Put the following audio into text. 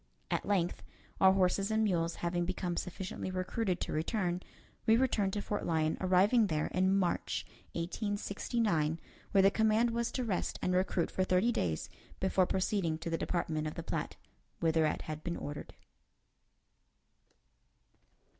At length, our horses and mules having become sufficiently recruited to return, we returned to Fort Lyon, arriving there in March, 1869, where the command was to rest and recruit for thirty days before proceeding to the Department of the Platte, whither it had been ordered.